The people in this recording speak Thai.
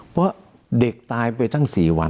เพราะเด็กตายไปตั้ง๔วัน